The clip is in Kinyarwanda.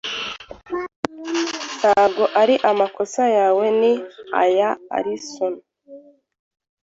Ntabwo ari amakosa yawe, ni aya Alison.